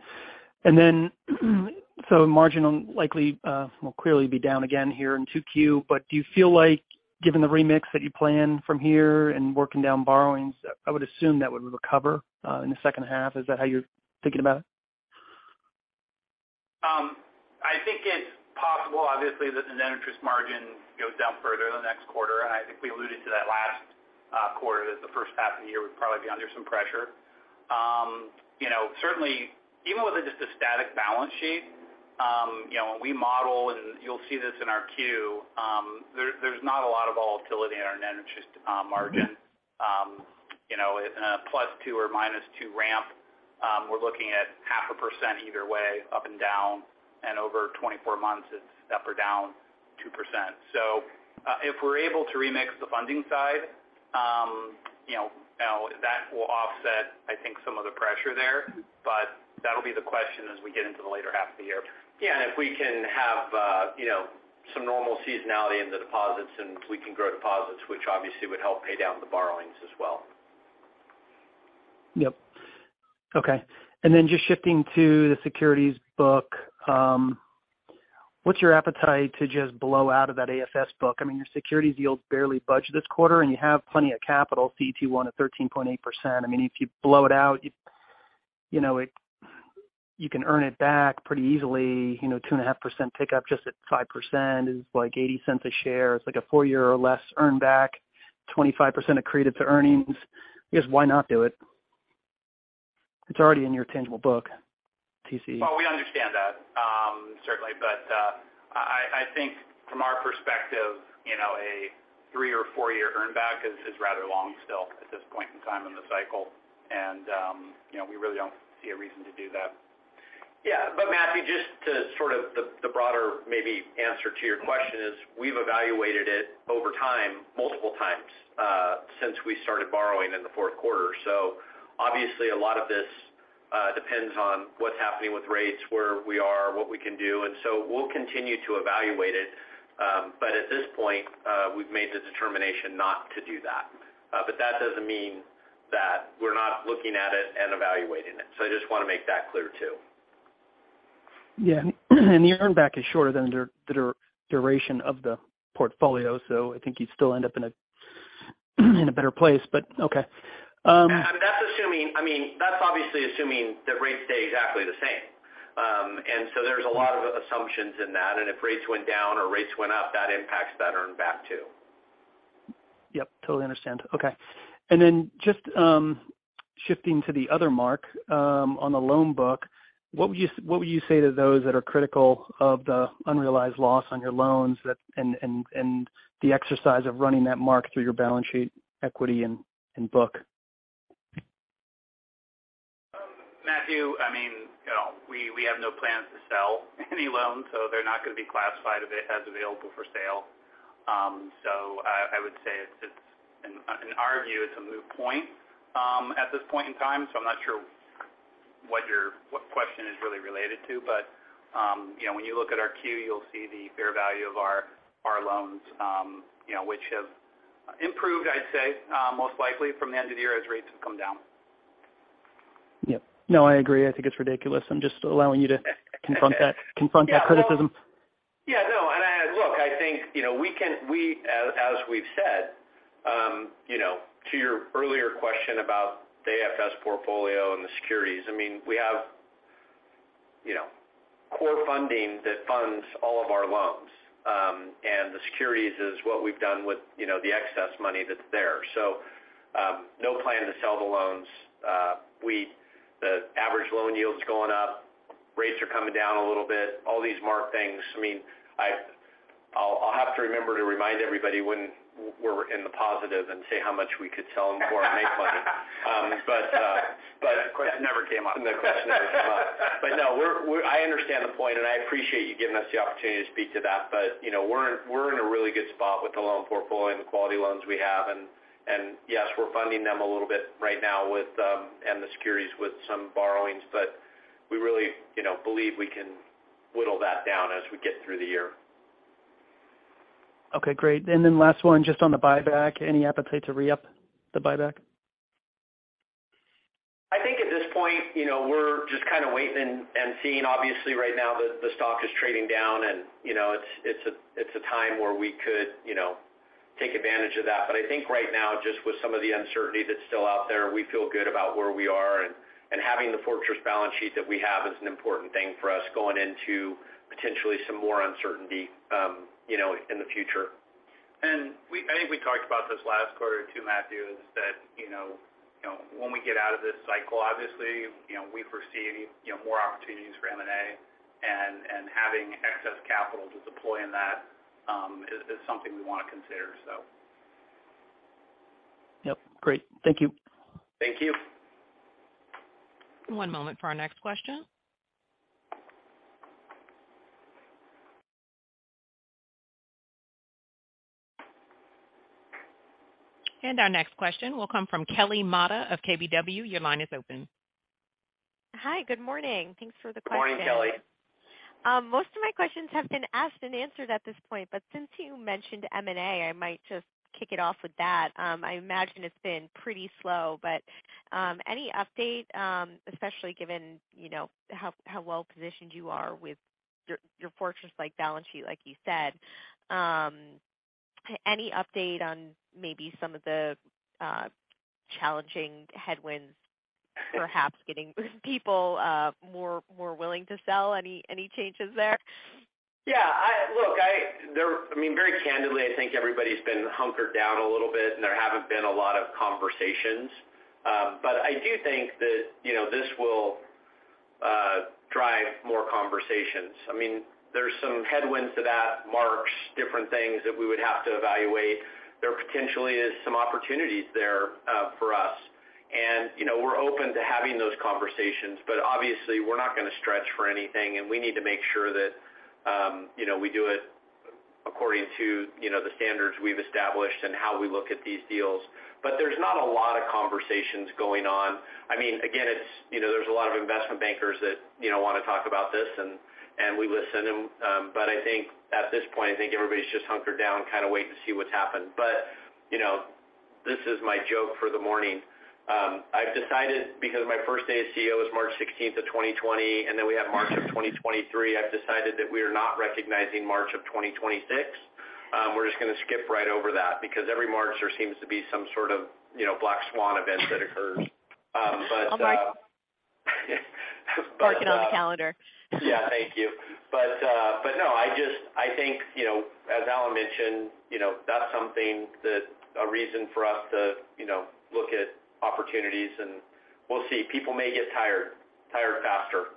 Margin on likely will clearly be down again here in 2Q. Do you feel like given the remix that you plan from here and working down borrowings, I would assume that would recover in the second half? Is that how you're thinking about it? I think it's possible, obviously, that the net interest margin goes down further the next quarter. I think we alluded to that last quarter that the first half of the year would probably be under some pressure. You know, certainly even with just a static balance sheet, you know, when we model and you'll see this in our Q, there's not a lot of volatility in our net interest margin. You know, in a +2 or -2 ramp, we're looking at half a percent either way up and down, and over 24 months it's up or down 2%. If we're able to remix the funding side, you know, that will offset I think some of the pressure there. That'll be the question as we get into the later half of the year. Yeah. If we can have, you know, some normal seasonality in the deposits and we can grow deposits which obviously would help pay down the borrowings as well. Yep. Okay. Just shifting to the securities book. What's your appetite to just blow out of that AFS book? I mean, your securities yields barely budge this quarter, and you have plenty of capital CET1 at 13.8%. I mean, if you blow it out, you know, you can earn it back pretty easily. You know, 2.5% pick up just at 5% is like $0.80 a share. It's like a 4 year or less earn back. 25% accreted to earnings. I guess why not do it? It's already in your tangible book TC. We understand that, certainly. I think from our perspective, you know, a 3 or 4 year earn back is rather long still at this point in time in the cycle. You know, we really don't see a reason to do that. Yeah. Matthew, just to sort of the broader maybe answer to your question is we've evaluated it over time multiple times since we started borrowing in the fourth quarter. Obviously a lot of this depends on what's happening with rates, where we are, what we can do. We'll continue to evaluate it. At this point, we've made the determination not to do that. That doesn't mean that we're not looking at it and evaluating it. I just want to make that clear too. Yeah. The earn back is shorter than the duration of the portfolio. I think you'd still end up in a better place, but okay. I mean, that's obviously assuming that rates stay exactly the same. There's a lot of assumptions in that. If rates went down or rates went up, that impacts that earn back too. Yep, totally understand. Okay. Then just, shifting to the other mark, on the loan book, what would you say to those that are critical of the unrealized loss on your loans that and the exercise of running that mark through your balance sheet equity and book? Matthew, I mean, you know, we have no plans to sell any loans, so they're not going to be classified as available for sale. I would say it's in our view it's a moot point at this point in time. I'm not sure what question is really related to. You know, when you look at our Q you'll see the fair value of our loans, you know, which have improved I'd say most likely from the end of the year as rates have come down. Yep. No, I agree. I think it's ridiculous. I'm just allowing you to confront that criticism. Yeah. No. Look, I think, you know, we as we've said, you know, to your earlier question about the AFS portfolio and the securities, I mean, we have, you know, core funding that funds all of our loans. The securities is what we've done with, you know, the excess money that's there. No plan to sell the loans. The average loan yield is going up. Rates are coming down a little bit. All these mark things. I mean, I'll have to remember to remind everybody when we're in the positive and say how much we could sell and more and make money. But. That question never came up. The question never came up. No, I understand the point, and I appreciate you giving us the opportunity to speak to that. You know, we're in a really good spot with the loan portfolio and the quality loans we have. Yes, we're funding them a little bit right now with and the securities with some borrowings, but we really, you know, believe we can whittle that down as we get through the year. Okay, great. Last one, just on the buyback. Any appetite to re-up the buyback? I think at this point, you know, we're just kind of waiting and seeing. Obviously, right now the stock is trading down and, you know, it's a, it's a time where we could, you know, take advantage of that. I think right now, just with some of the uncertainty that's still out there, we feel good about where we are and having the fortress balance sheet that we have is an important thing for us going into potentially some more uncertainty, you know, in the future. We I think we talked about this last quarter too, Matthew, is that, you know, when we get out of this cycle, obviously, you know, we foresee, you know, more opportunities for M&A and having excess capital to deploy in that, is something we want to consider. Yep, great. Thank you. Thank you. One moment for our next question. Our next question will come from Kelly Motta of KBW. Your line is open. Hi. Good morning. Thanks for the question. Good morning, Kelly. Most of my questions have been asked and answered at this point. Since you mentioned M&A, I might just kick it off with that. I imagine it's been pretty slow. Any update, especially given, you know, how well positioned you are with your fortress-like balance sheet, like you said. Any update on maybe some of the challenging headwinds, perhaps getting people more willing to sell? Any changes there? Yeah. I mean, very candidly, I think everybody's been hunkered down a little bit, and there haven't been a lot of conversations. I do think that, you know, this will drive more conversations. I mean, there's some headwinds to that, marks different things that we would have to evaluate. There potentially is some opportunities there for us. You know, we're open to having those conversations, but obviously we're not gonna stretch for anything, and we need to make sure that, you know, we do it according to, you know, the standards we've established and how we look at these deals. There's not a lot of conversations going on. I mean, again, it's, you know, there's a lot of investment bankers that, you know, want to talk about this and we listen and, but I think at this point, I think everybody's just hunkered down, kind of wait to see what's happened. You know, this is my joke for the morning. I've decided because my first day as CEO is March 16th of 2020, and then we have March of 2023. I've decided that we are not recognizing March of 2026. We're just gonna skip right over that because every March there seems to be some sort of, you know, black swan event that occurs. Oh, my. But, uh- Mark it on the calendar. Yeah. Thank you. No, I think, you know, as Allen mentioned, you know, that's something that a reason for us to, you know, look at opportunities and we'll see. People may get tired faster.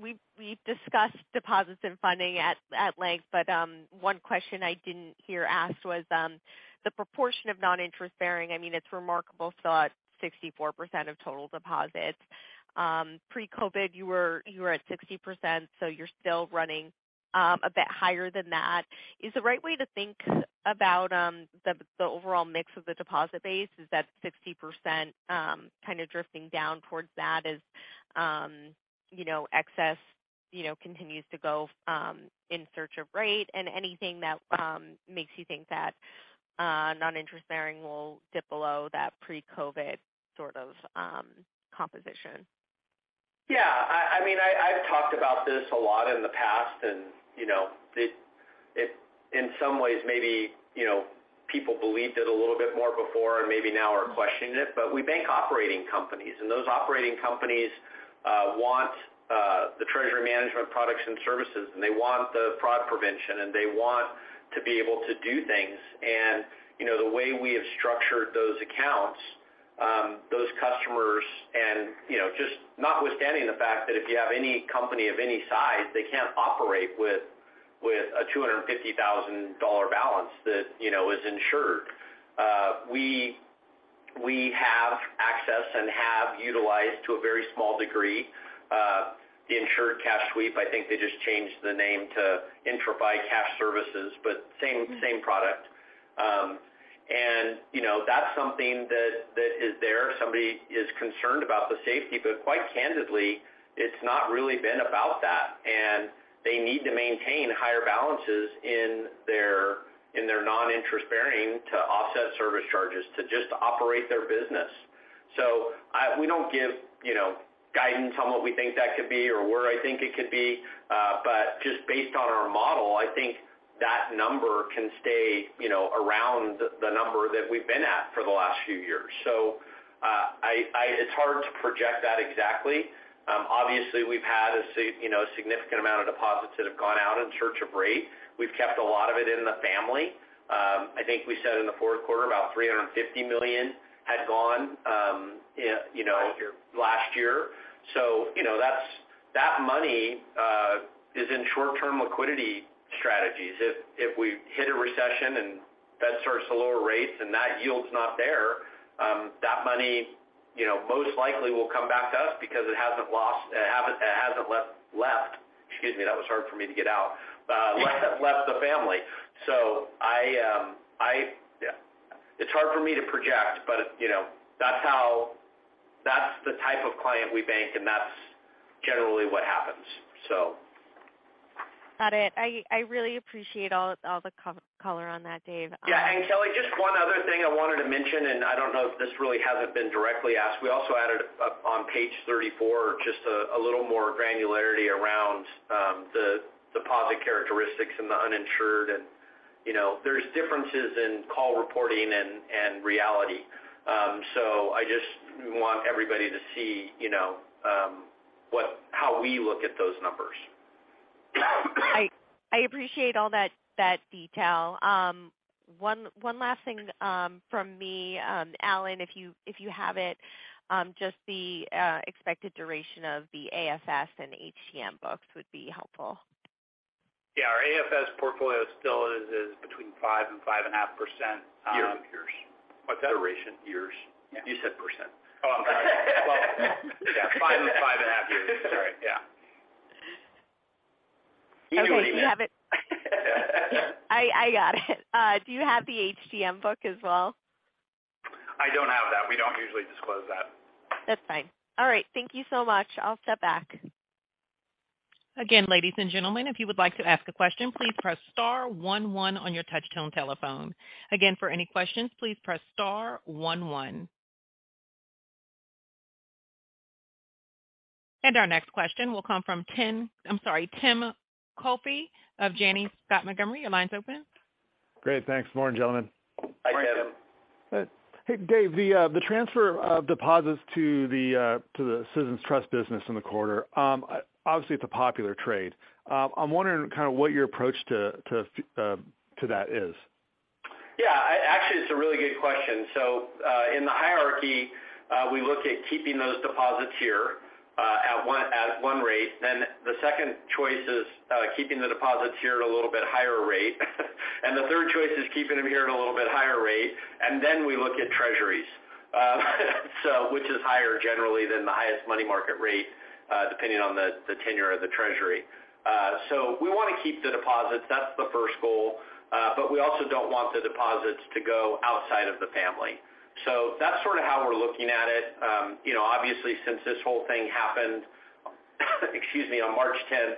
We've, we've discussed deposits and funding at length, but one question I didn't hear asked was the proportion of non-interest bearing. I mean, it's remarkable, still at 64% of total deposits. Pre-COVID, you were, you were at 60%, so you're still running a bit higher than that. Is the right way to think about the overall mix of the deposit base is that 60%, kind of drifting down towards that as, you know, excess, you know, continues to go in search of rate and anything that makes you think that non-interest bearing will dip below that pre-COVID sort of composition? Yeah. I mean, I've talked about this a lot in the past and, you know, in some ways maybe, you know, people believed it a little bit more before and maybe now are questioning it. We bank operating companies, and those operating companies want the treasury management products and services, and they want the fraud prevention, and they want to be able to do things. You know, the way we have structured those accounts, those customers and, you know, just notwithstanding the fact that if you have any company of any size, they can't operate with a $250,000 balance that, you know, is insured. We have access and have utilized to a very small degree the Insured Cash Sweep. I think they just changed the name to IntraFi Cash Service, but same- Mm-hmm. Same product. You know, that's something that is there. Somebody is concerned about the safety, but quite candidly, it's not really been about that. They need to maintain higher balances in their, in their non-interest bearing to offset service charges to just operate their business. We don't give, you know, guidance on what we think that could be or where I think it could be. But just based on our model, I think that number can stay, you know, around the number that we've been at for the last few years. It's hard to project that exactly. Obviously we've had, you know, a significant amount of deposits that have gone out in search of rate. We've kept a lot of it in the family. I think we said in the fourth quarter, about $350 million had gone. Last year. Last year. You know, that money is in short-term liquidity strategies. If we hit a recession and that starts to lower rates and that yield's not there, that money, you know, most likely will come back to us because it hasn't lost, it hasn't left. Excuse me, that was hard for me to get out. Left the family. I, yeah. It's hard for me to project, but, you know, that's how type of client we bank, and that's generally what happens. Got it. I really appreciate all the color on that, Dave. Yeah. Kelly, just one other thing I wanted to mention, I don't know if this really hasn't been directly asked. We also added up on page 34 just a little more granularity around the deposit characteristics and the uninsured and, you know, there's differences in call reporting and reality. I just want everybody to see, you know, how we look at those numbers. I appreciate all that detail. One last thing, from me. Allen, if you have it, just the expected duration of the AFS and HTM books would be helpful. Yeah. Our AFS portfolio still is between 5% and 5.5%. Years. What's that? Duration. Years. Yeah. You said %. Oh, I'm sorry. Well, yeah. Five and five and a half years. Sorry. Yeah. Okay. Do you have it? I got it. Do you have the HTM book as well? I don't have that. We don't usually disclose that. That's fine. All right. Thank you so much. I'll step back. Again, ladies and gentlemen, if you would like to ask a question, please press star one one on your touchtone telephone. Again, for any questions, please press star one one. Our next question will come from Timothy Coffey of Janney Montgomery Scott. Your line's open. Great. Thanks. Morning, gentlemen. Hi, Tim. Morning. Hey, Dave, the transfer of deposits to the CitizensTrust business in the quarter, obviously, it's a popular trade. I'm wondering kind of what your approach to that is? Yeah. Actually, it's a really good question. In the hierarchy, we look at keeping those deposits here at one rate. The second choice is keeping the deposits here at a little bit higher rate. The third choice is keeping them here at a little bit higher rate. Then we look at treasuries, which is higher generally than the highest money market rate, depending on the tenure of the treasury. We wanna keep the deposits. That's the first goal. We also don't want the deposits to go outside of the family. That's sort of how we're looking at it. You know, obviously, since this whole thing happened, excuse me, on March 10th,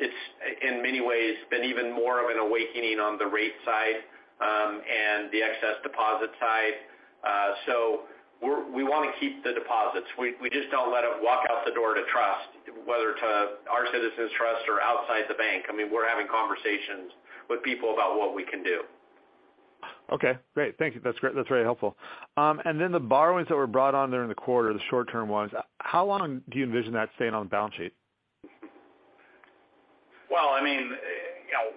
it's in many ways been even more of an awakening on the rate side and the excess deposit side. We wanna keep the deposits. We just don't let it walk out the door to trust whether to our CitizensTrust or outside the bank. I mean, we're having conversations with people about what we can do. Okay, great. Thank you. That's very helpful. Then the borrowings that were brought on during the quarter, the short term ones, how long do you envision that staying on the balance sheet? I mean, you know,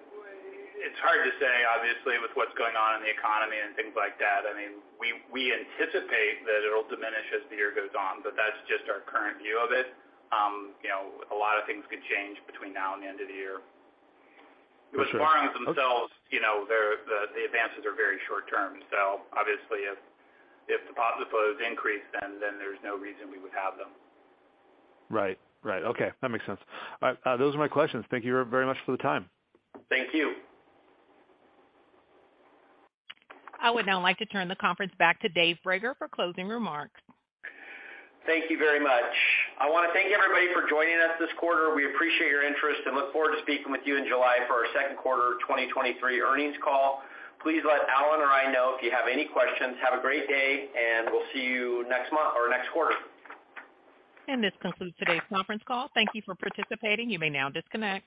it's hard to say, obviously, with what's going on in the economy and things like that. I mean, we anticipate that it'll diminish as the year goes on, but that's just our current view of it. You know, a lot of things could change between now and the end of the year. Sure. Okay. With borrowings themselves, you know, the advances are very short term. Obviously if deposit flows increase, then there's no reason we would have them. Right. Right. Okay. That makes sense. All right. Those are my questions. Thank you very much for the time. Thank you. I would now like to turn the conference back to Dave Brager for closing remarks. Thank you very much. I wanna thank everybody for joining us this quarter. We appreciate your interest and look forward to speaking with you in July for our second quarter 2023 earnings call. Please let Allen or I know if you have any questions. Have a great day, and we'll see you next quarter. This concludes today's conference call. Thank you for participating. You may now disconnect.